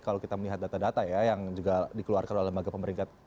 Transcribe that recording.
kalau kita melihat data data ya yang juga dikeluarkan oleh lembaga pemerintah